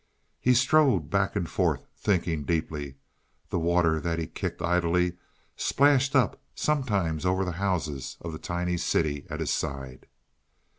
He strode back and forth thinking deeply; the water that he kicked idly splashed up sometimes over the houses of the tiny city at his side.